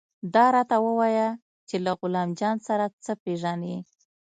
دا راته ووايه چې له غلام جان سره څه پېژنې.